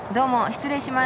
失礼します。